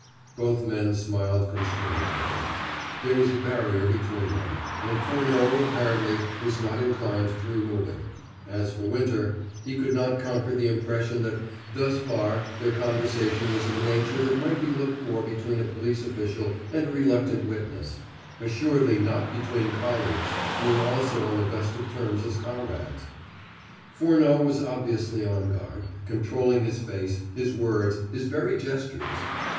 Both men smiled constrainedly. There was a barrier between them, and Furneaux, apparently, was not inclined to remove it; as for Winter, he could not conquer the impression that, thus far, their conversation was of a nature that might be looked for between a police official and a reluctant witness assuredly not between colleagues who were also on the best of terms as comrades. Furneaux was obviously on guard, controlling his face, his words, his very gestures.